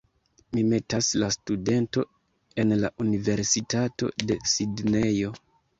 Mi estas la studento en la Universitato de Sidnejo